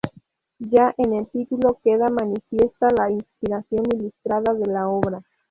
Ya en el título queda manifiesta la inspiración ilustrada de la obra.